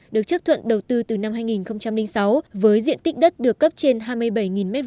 được chấp thuận đầu tư từ năm hai nghìn sáu với diện tích đất được cấp trên hai mươi bảy m hai